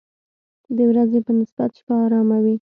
د ورځې په نسبت شپه آرامه وي.